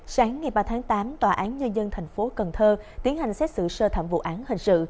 sáng ngày ba tháng tám tòa án nhân dân thành phố cần thơ tiến hành xét xử sơ thẩm vụ án hình sự